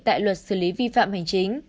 tại luật xử lý vi phạm hành chính